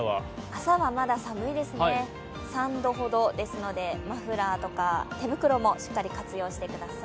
朝はまだ寒いですね、３度ほどですのでマフラーとか手袋もしっかり活用してください。